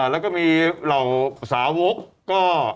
แล้วก็มีเหล่าสาวกก็